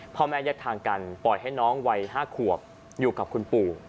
พ่อแม่แยกทางกันปล่อยให้น้องวัย๕ขวบอยู่กับคุณปู่